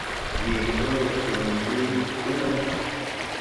Weere be wɔ këleere buy da.